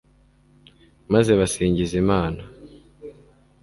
maze basingiza imana